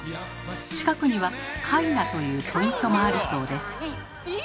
近くには「ＫＡＩＮＡ」というポイントもあるそうです。